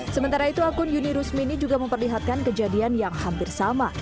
sementara itu akun yuni rusmini juga memperlihatkan kejadian yang hampir sama